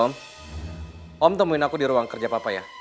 om om temuin aku di ruang kerja papa ya